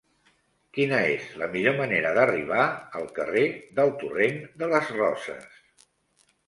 Quina és la millor manera d'arribar al carrer del Torrent de les Roses?